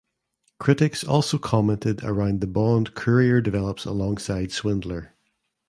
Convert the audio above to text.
Critics also commented around the bond Courier develops alongside Swindler.